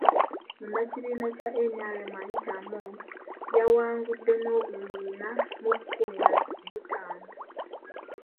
Munnakibiina kya NRM, Anita Among yawangude n’obululu bina mu kkumi na butaano.